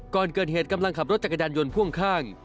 ก่อนเกิดเหตุกำลังขับรถจักรยานยนต์พ่วงข้าง